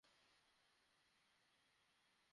তুমি ছুটিতে ছিলে?